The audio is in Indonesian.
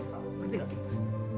kau ngerti gak impas